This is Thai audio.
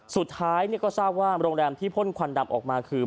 สุดท้ายก็ทราบว่าโรงแรมที่พ่นควันดำออกมาคือ